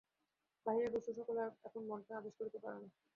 বাহিরের বস্তু-সকল আর এখন মনকে আদেশ করিতে পারে না।